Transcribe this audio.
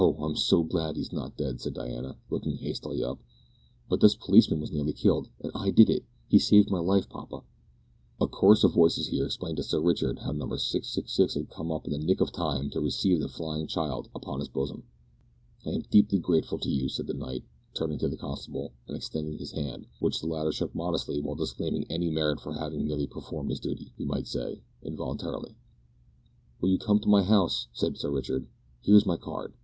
I'm so glad he's not dead," said Diana, looking hastily up, "but this policeman was nearly killed, and I did it! He saved my life, papa." A chorus of voices here explained to Sir Richard how Number 666 had come up in the nick of time to receive the flying child upon his bosom. "I am deeply grateful to you," said the knight, turning to the constable, and extending his hand, which the latter shook modestly while disclaiming any merit for having merely performed his duty he might say, involuntarily. "Will you come to my house?" said Sir Richard. "Here is my card.